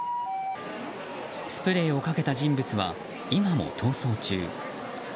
スプレーをかけた人物は今も逃走中。